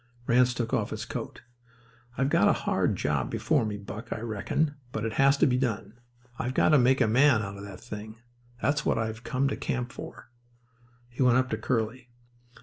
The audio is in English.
Ranse took off his coat. "I've got a hard job before me, Buck, I reckon, but it has to be done. I've got to make a man out of that thing. That's what I've come to camp for." He went up to Curly.